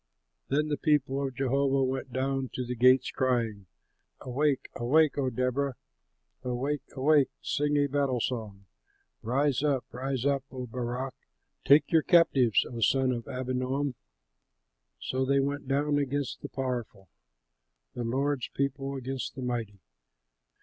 "Then the people of Jehovah Went down to the gates, crying: 'Awake, awake, O Deborah, Awake, awake, sing a battle song! Rise up, rise up, O Barak, Take your captives, O son of Abinoam!' "So they went down against the powerful, The Lord's people against the mighty.